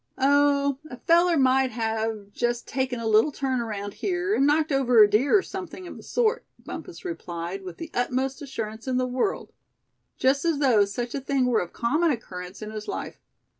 "Oh! a feller might have just taken a little turn around here, and knocked over a deer, or something of the sort," Bumpus replied, with the utmost assurance in the world; just as though such a thing were of common occurrence in his life.